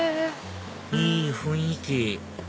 いい雰囲気